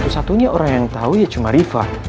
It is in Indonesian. satu dua nya orang yang tau ya cuma rifa